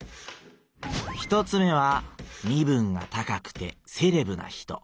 一つ目は身分が高くてセレブな人。